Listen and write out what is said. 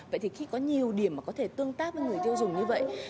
vậy thì khi có nhiều điểm mà có thể tương tác với người tiêu dùng như vậy